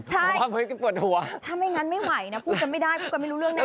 ใช่ถ้าไม่งั้นไม่ไหวนะพูดจะไม่ได้พูดกันไม่รู้เรื่องได้ต่อ